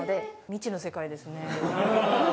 未知の世界ですね。